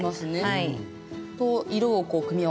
はい。